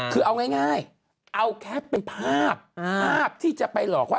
คือเอาง่ายเอาแคปเป็นภาพภาพที่จะไปหลอกว่า